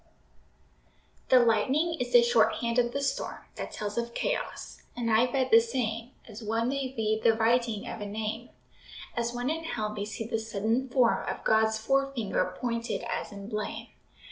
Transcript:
The lightning is the shorthand of the storm That tells of chaos; and I read the same As one may read the writing of a name, As one in Hell may see the sudden form Of God's fore finger pointed as in blame.